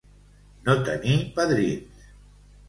No tenir padrins.